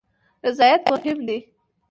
رضایت مهم دی